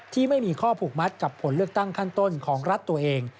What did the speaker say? ที่ไม่มีข้อผูกมัดกับผลเลือกตั้งขั้นต้นของรัฐตัวเอง